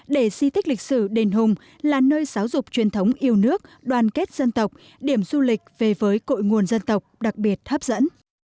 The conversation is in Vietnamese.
để di tích lịch sử đền hùng là nơi giáo dục truyền thống yêu nước đoàn kết dân tộc điểm du lịch về với cội nguồn dân tộc đặc biệt hấp dẫn